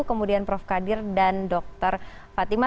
kemudian prof kadir dan dr fatima